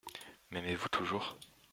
M’aimez-vous toujours ?